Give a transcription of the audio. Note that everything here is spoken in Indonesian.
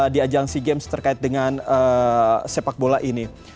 di ajang sea games terkait dengan sepak bola ini